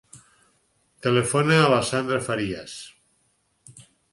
Telefona a la Sandra Farias.